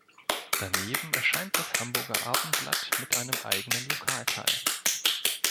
Daneben erscheint das "Hamburger Abendblatt" mit einem eigenen Lokalteil.